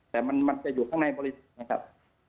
แต่มันจะอยู่ข้างในผลิตนะครับ